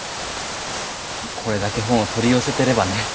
これだけ本を取り寄せてればね。